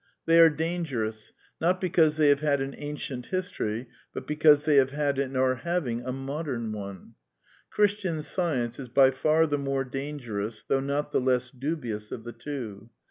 ^^ They are dangerous, not because they have had an ancient history, but because they have had and are having a modem one. Christian Science is by far the more dangerous^ though not the less dubious, of the two.